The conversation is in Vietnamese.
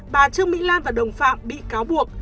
bà trương mỹ lan và đồng phạm bị cáo buộc